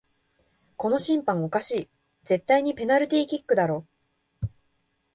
この審判おかしい、絶対にペナルティーキックだろ